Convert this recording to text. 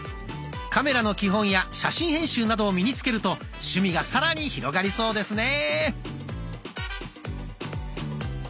カメラの基本や写真編集などを身につけると趣味がさらに広がりそうですね。